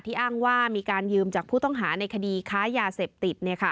อ้างว่ามีการยืมจากผู้ต้องหาในคดีค้ายาเสพติด